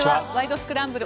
スクランブル」